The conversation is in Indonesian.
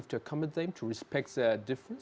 untuk menghormati perbedaan mereka